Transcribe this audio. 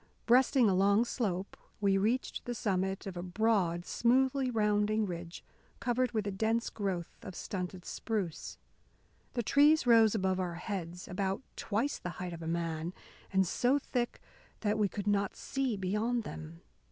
Breasting a long slope, we reached the summit of a broad, smoothly rounding ridge covered with a dense growth of stunted spruce. The trees rose above our heads, about twice the height of a man, and so thick that we could not see beyond them.